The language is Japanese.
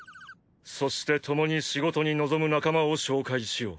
そして共に仕事に臨む仲間を紹介しよう。